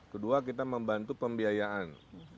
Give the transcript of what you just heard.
kedua kita membantu pembiayaan